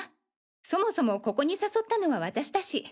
そもそもここに誘ったのは私だし。